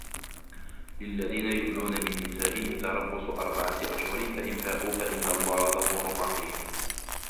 للذين يؤلون من نسائهم تربص أربعة أشهر فإن فاءوا فإن الله غفور رحيم